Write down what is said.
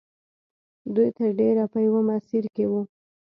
دوی تر ډېره په یوه مسیر کې وو